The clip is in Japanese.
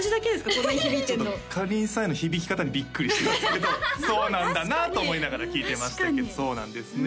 こんなに響いてるのかりんさんへの響き方にビックリしてますけどそうなんだなと思いながら聞いてましたけどそうなんですね